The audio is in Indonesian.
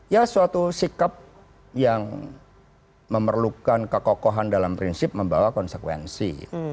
ya suatu sikap yang memerlukan kekokohan dalam prinsip membawa konsekuensi